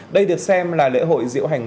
đây được xem là lễ hội diễu hành